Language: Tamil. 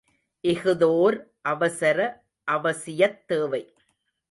இஃதோர் அவசர அவசியத் தேவை.